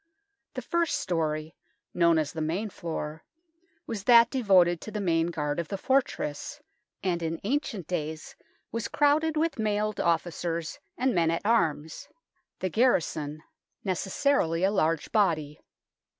The first storey, known as the main floor, was that devoted to the main guard of the fortress, and in ancient days was crowded with mailed officers and men at arms the garrison ; THE NORMAN KEEP 31 necessarily a large body.